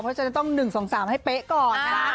เพราะฉะนั้นต้อง๑๒๓ให้เป๊ะก่อนนะคะ